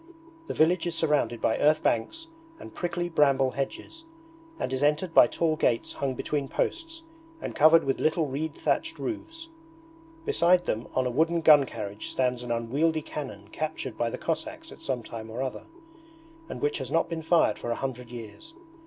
The village is surrounded by earth banks and prickly bramble hedges, and is entered by tall gates hung between posts and covered with little reed thatched roofs. Beside them on a wooden gun carriage stands an unwieldy cannon captured by the Cossacks at some time or other, and which has not been fired for a hundred years.